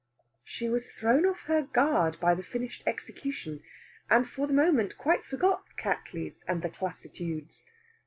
She was thrown off her guard by the finished execution, and for the moment quite forgot Cattley's and the classitudes.